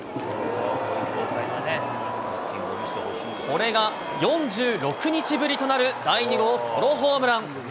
これが４６日ぶりとなる第２号ソロホームラン。